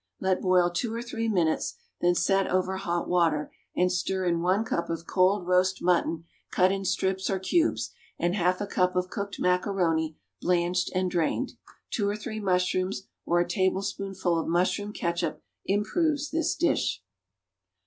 Let boil two or three minutes, then set over hot water and stir in one cup of cold roast mutton cut in strips or cubes, and half a cup of cooked macaroni, blanched and drained. Two or three mushrooms or a tablespoonful of mushroom catsup improves this dish.